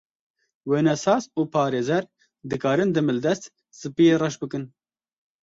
Wênesaz û parêzer dikarin demildest spiyê reş bikin.